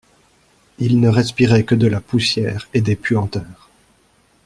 Il ne respirait que de la poussière et des puanteurs.